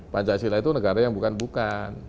pancasila itu negara yang bukan bukan